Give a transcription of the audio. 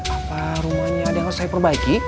apa rumahnya ada yang harus saya perbaiki